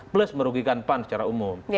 plus merugikan pan secara umum